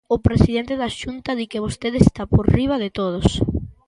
O presidente da Xunta di que vostede está por riba de todos.